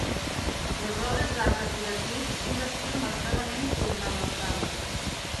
Les obres d'art decoratiu són d'estil marcadament ornamental.